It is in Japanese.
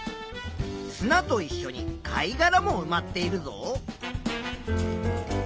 砂といっしょに貝がらもうまっているぞ。